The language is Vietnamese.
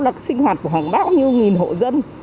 là sinh hoạt của hàng bao nhiêu nghìn hộ dân